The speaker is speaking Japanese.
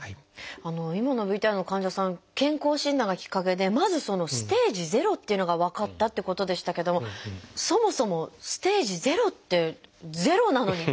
今のＶＴＲの患者さん健康診断がきっかけでまずステージ０っていうのが分かったってことでしたけどもそもそも「ステージ０」って「０」なのに。